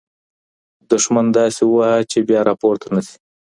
دښمن داسې ووهه چي بیا راپورته نه سي.